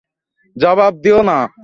জবাব দিও না।